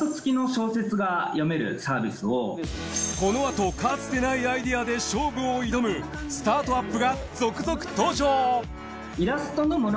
このあとかつてないアイデアで勝負を挑むスタートアップが続々登場。